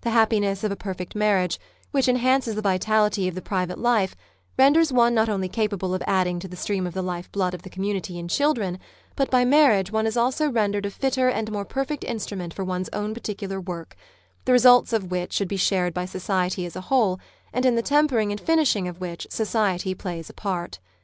The happiness of a perfect marriage, which en hances the vitality of the private life, renders one not only capable of adding to the stream of the life blood ot the community in children, but by marriage one is also rendered a fitter and more perfect instrument for one s own particular work, the results of which should be shared by society as a whole, and in the tempering and finishing of which society plays a part.